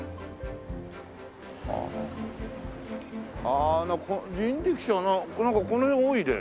ああ人力車なんかこの辺多いね。